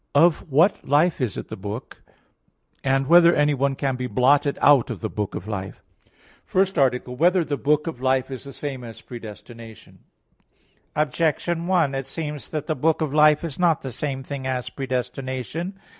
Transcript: (2) Of what life is it the book? (3) Whether anyone can be blotted out of the book of life? _______________________ FIRST ARTICLE [I, Q. 24, Art. 1] Whether the Book of Life Is the Same As Predestination? Objection 1: It seems that the book of life is not the same thing as predestination.